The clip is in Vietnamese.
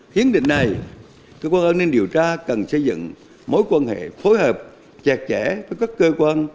hiến định này cơ quan an ninh điều tra cần xây dựng mối quan hệ phối hợp chặt chẽ với các cơ quan